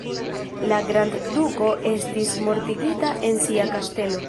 La grandduko estis mortigita en sia kastelo.